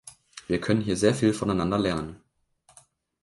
Wir können hier sehr viel voneinander lernen.